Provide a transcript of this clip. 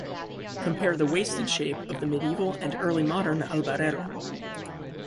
Compare the waisted shape of the medieval and Early Modern albarello.